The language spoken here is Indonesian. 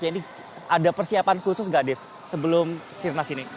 jadi ada persiapan khusus gak dave sebelum sirnas ini